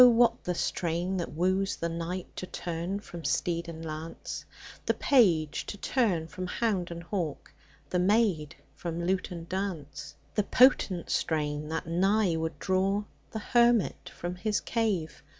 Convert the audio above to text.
what the strain that woos the knight To turn from steed and lance, The page to turn from hound and hawk, The maid from lute and dance ; The potent strain, that nigh would draw The hermit from his cave.